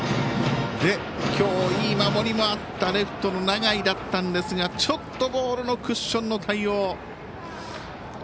今日、いい守りもあったレフトの永井だったんですがちょっとボールのクッションの対応。